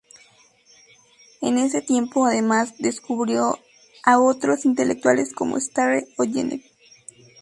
En ese tiempo, además, descubrió a otros intelectuales como Sartre o Genet.